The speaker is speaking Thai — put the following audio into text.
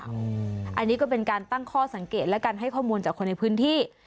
อันนี้ก็เป็นการตั้งข้อสังเกตและการให้ข้อมูลจากคนในพื้นที่